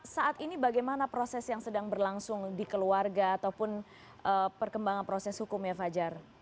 saat ini bagaimana proses yang sedang berlangsung di keluarga ataupun perkembangan proses hukumnya fajar